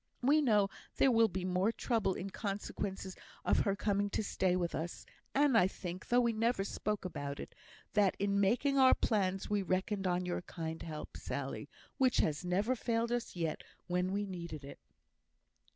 We know there will be more trouble in consequence of her coming to stay with us; and I think, though we never spoke about it, that in making our plans we reckoned on your kind help, Sally, which has never failed us yet when we needed it."